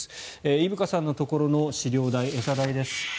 伊深さんのところの飼料代餌代です。